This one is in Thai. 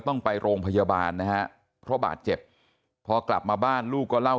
ต้องไปโรงพยาบาลนะฮะเพราะบาดเจ็บพอกลับมาบ้านลูกก็เล่า